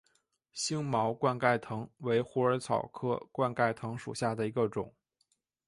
星毛冠盖藤为虎耳草科冠盖藤属下的一个种。